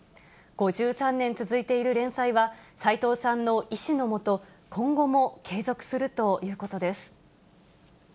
５３年続いている連載は、さいとうさんの遺志の下、今後も継続するということです。